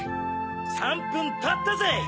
３ぷんたったぜ！